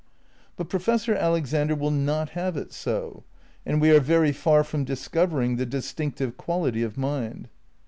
But Professor Alexander will not have it so ; and we are very far from discovering the distinctive quality of mind.